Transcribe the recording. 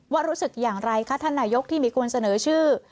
ว่ารู้สึกอย่างไรคะท่านนายกที่มีคนเสนอชื่อ